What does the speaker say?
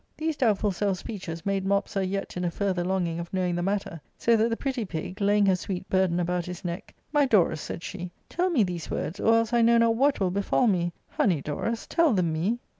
These doubtful self speeches made Mopsa yet in a further longing of knowing the matter; so that tbe pretty pig,* laying her sweet burden about his neck, " My Dorus," said she, " tell me these words, or else I know not what will befall me ; honey Dorus, tell them me.?"